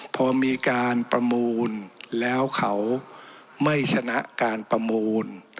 พอมีการประมูลแล้วเขาไม่ชนะการประมูล